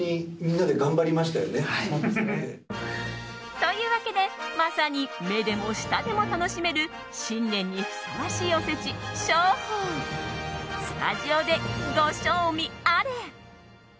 というわけでまさに目でも舌でも楽しめる新年にふさわしいおせち、招宝スタジオでご賞味あれ。